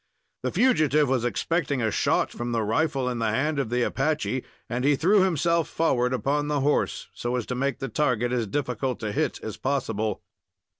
The fugitive was expecting a shot from the rifle in the hand of the Apache, and he threw himself forward upon the horse, so as to make the target as difficult to hit as possible.